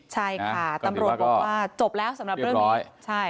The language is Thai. ใช่ค่ะตำรวจบแล้วสำหรับเรื่องนี้